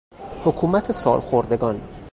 حکومت سالخوردگان